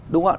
đúng không ạ